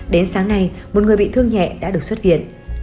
đến sáng nay một người bị thương nhẹ đã được xuất viện